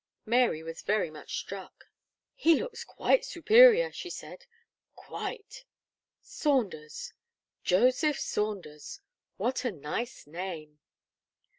Mary was very much struck. "He looks quite superior," she said, "quite. Saunders Joseph Saunders! what a nice name."